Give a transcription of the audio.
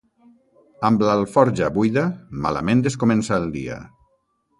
Amb l'alforja buida, malament es comença el dia.